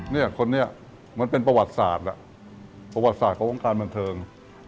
เนี่ยคนนี้มันเป็นประวัติศาสตร์ประวัติศาสตร์ของวงการบันเทิง